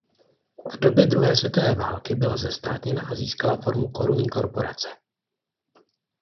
V době druhé světové války byla zestátněna a získala formu korunní korporace.